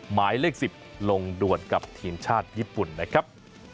หมายเลข๑๐ลงด่วนกับทีมชาติญี่ปุ่นนะครับ